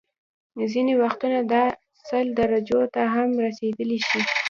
ځینې وختونه دا سل درجو ته هم رسيدلی شي